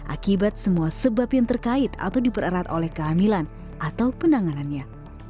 akibat semua sebab yang terkait atau dipererat oleh kehamilan atau penanganannya